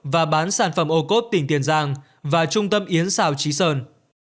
và bán sản phẩm ô cốp tỉnh tiền giang và trung tâm yến xào trí sơn